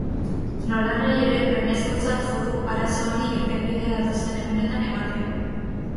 Nolanahi ere, premiazkotzat jo du arazo honi irtenbidea datozen egunetan ematea.